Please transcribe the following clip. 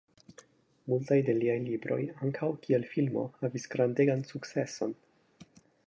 Multaj de liaj libroj ankaŭ kiel filmo havis grandegan sukceson.